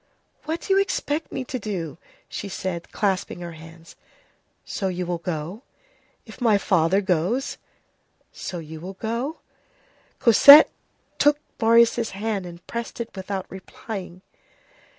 "What do you expect me to do?" she said, clasping her hands. "So, you will go?" "If my father goes." "So, you will go?" Cosette took Marius' hand, and pressed it without replying.